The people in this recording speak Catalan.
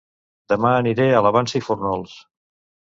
Dema aniré a La Vansa i Fórnols